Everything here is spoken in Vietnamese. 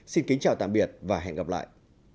xin kính chào tạm biệt và hẹn gặp lại